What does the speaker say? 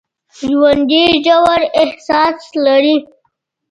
ژوندي ژور احساس لري